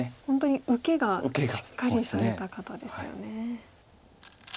本当に受けがしっかりされた方ですよね。